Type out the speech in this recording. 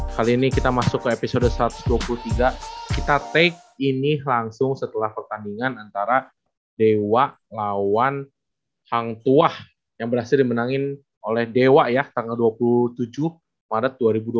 kali ini kita masuk ke episode satu ratus dua puluh tiga kita take ini langsung setelah pertandingan antara dewa lawan hang tuah yang berhasil dimenangin oleh dewa ya tanggal dua puluh tujuh maret dua ribu dua puluh